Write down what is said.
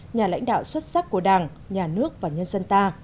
nhà lãnh đạo xuất sắc của đảng nhà nước và nhân dân ta